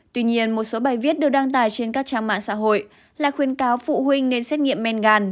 tuy nhiên một số bài viết được đăng tải trên các trang mạng xã hội là khuyên cáo phụ huynh nên xét nghiệm men gan